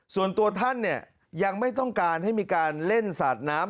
ส่วนตัวท่านเนี่ยยังไม่ต้องการให้มีการเล่นสาดน้ำ